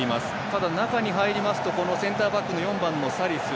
ただ、中に入りますとセンターバックの４番のサリス。